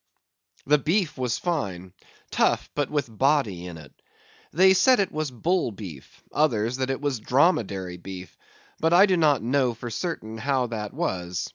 The beef was fine—tough, but with body in it. They said it was bull beef; others, that it was dromedary beef; but I do not know, for certain, how that was.